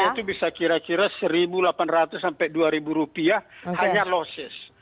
opsnya itu bisa kira kira rp satu delapan ratus rp dua hanya losses